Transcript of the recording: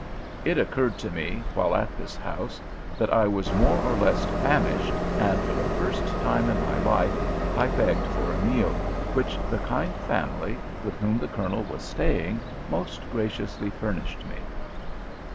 It occurred to me, while at this house, that I was more or less famished, and for the first time in my life I begged for a meal, which the kind family with whom the Colonel was staying most graciously furnished me.